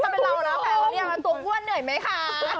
ถ้าเป็นเราน่ะแผลวันนี้ตัวบ้วนเหนื่อยมั้ยคะ